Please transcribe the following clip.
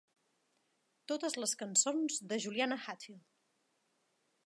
Totes les cançons de Juliana Hatfield.